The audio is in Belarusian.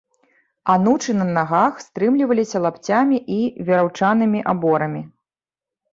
Анучы на нагах стрымліваліся лапцямі і вераўчанымі аборамі.